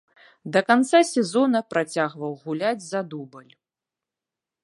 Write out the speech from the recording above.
Да канца сезона працягваў гуляць за дубль.